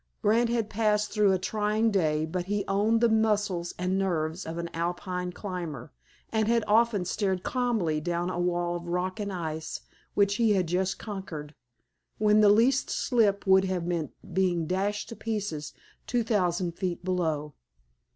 Grant had passed through a trying day, but he owned the muscles and nerves of an Alpine climber, and had often stared calmly down a wall of rock and ice which he had just conquered, when the least slip would have meant being dashed to pieces two thousand feet below.